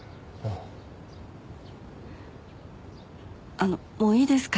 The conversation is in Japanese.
あのもういいですか？